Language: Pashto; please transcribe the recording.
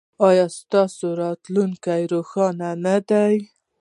ایا ستاسو راتلونکې روښانه نه ده؟